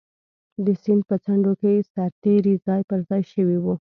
د سیند په څنډو کې سرتېري ځای پر ځای شوي وو.